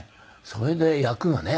それで役がね